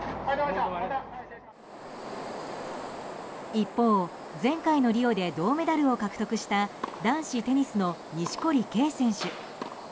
一方、前回のリオで銅メダルを獲得した男子テニスの錦織圭選手。